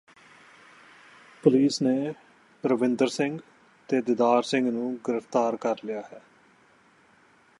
police ਨੇ ਰਵਿੰਦਰ ਸਿੰਘ ਅਤੇ ਦੀਦਾਰ ਸਿੰਘ ਨੂੰ ਗਿਰਫ਼ਤਾਰ ਕਰ ਲਿਆ ਹੈ